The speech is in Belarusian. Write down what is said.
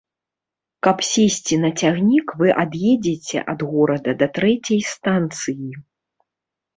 Каб сесці на цягнік, вы ад'едзеце ад горада да трэцяй станцыі.